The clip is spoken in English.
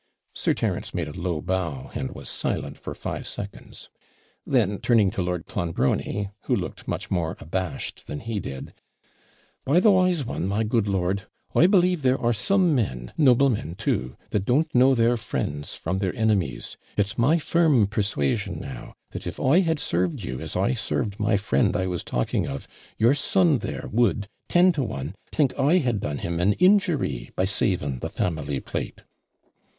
Sir Terence made a low bow, and was silent for five seconds; then turning to Lord Clonbrony, who looked much more abashed than he did 'By the wise one, my good lord, I believe there are some men noblemen, too that don't know their friends from their enemies. It's my firm persuasion, now, that if I had served you as I served my friend I was talking of, your son there would, ten to one, think I had done him an injury by saving the family plate.'